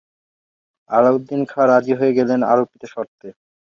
আলাউদ্দিন খাঁ রাজি হয়ে গেলেন আরোপিত শর্তে।